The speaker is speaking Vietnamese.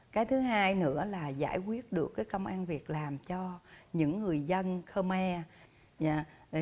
cái thứ hai nữa là giải quyết được công an việc làm cho những người dân khmer